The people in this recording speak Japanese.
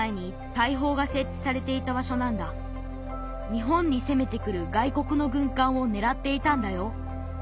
日本に攻めてくる外国の軍艦をねらっていたんだよ。